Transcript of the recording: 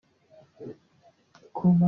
Kanda hano wumve iyi ndirimbo 'Ngirira vuba' .